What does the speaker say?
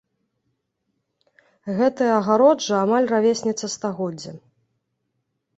Гэтая агароджа амаль равесніца стагоддзя.